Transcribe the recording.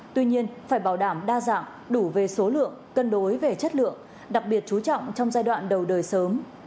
tuy nhiên phải bảo đảm đa dạng đủ về số lượng cân đối về chất lượng đặc biệt chú trọng trong giai đoạn đầu đời sớm